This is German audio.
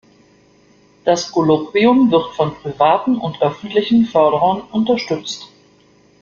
Das Kolloquium wird von privaten und öffentlichen Förderern unterstützt.